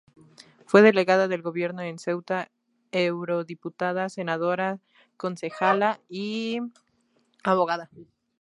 Fue delegada del gobierno en Ceuta, eurodiputada, senadora, concejala y abogada.